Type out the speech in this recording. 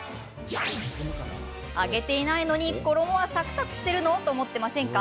揚げていないのに衣はサクサクしてるの？と思っていませんか？